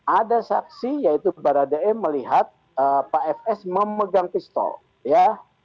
ada saksi yaitu baradae melihat pak fs memegang pistol ya